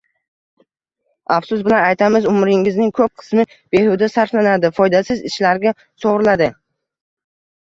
Afsus bilan aytamiz, umrimizning ko‘p qismi behuda sarflanadi, foydasiz ishlarga sovuriladi.